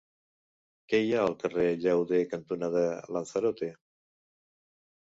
Què hi ha al carrer Llauder cantonada Lanzarote?